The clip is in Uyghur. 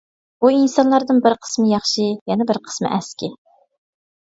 بۇ ئىنسانلاردىن بىر قىسمى ياخشى، يەنە بىر قىسمى ئەسكى.